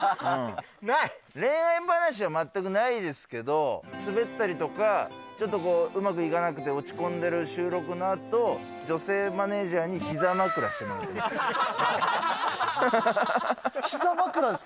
恋愛話は全くないですけれども、滑ったりとか、ちょっとこううまくいかなくて落ち込んでる収録のあと、女性マネジャーにひざ枕してもらいます。